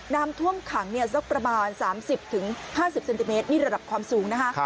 น้ำท่วมขังสักประมาณ๓๐๕๐เซนติเมตรนี่ระดับความสูงนะคะ